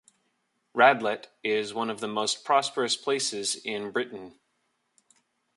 Radlett is one of the most prosperous places in Britain.